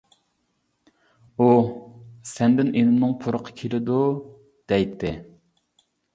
ئۇ «سەندىن ئىنىمنىڭ پۇرىقى كېلىدۇ» دەيتتى.